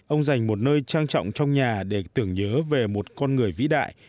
ông dành một nơi trang trọng trong nhà để tưởng nhớ về một con người vĩ đại